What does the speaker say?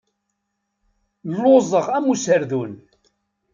Lluẓeɣ am userdun.